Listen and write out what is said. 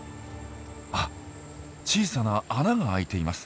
あっ小さな穴が開いています。